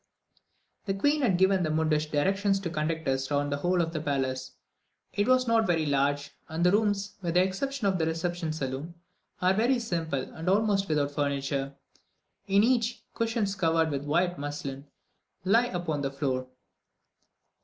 The queen had given the mundsch directions to conduct us round the whole of the palace. It is not very large, and the rooms, with the exception of the reception saloon, are very simple, and almost without furniture; in each, cushions covered with white muslin lie upon the floor.